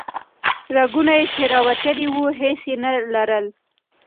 رګونه چې راوتلي وو هیڅ یې نه لرل.